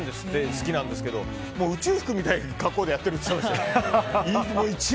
好きなんですけど宇宙服みたいな格好でやっているって言ってました。